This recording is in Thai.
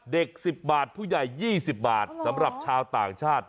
เด็กสิบบาทผู้ใหญ่ยี่สิบบาทสำหรับชาวต่างชาติ